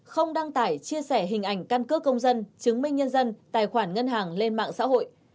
không đăng tải chia sẻ hình ảnh căn cước công dân chứng minh nhân dân tài khoản ngân hàng lên mạng xã hội